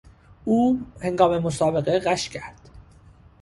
او هنگام مسابقه غش کرد.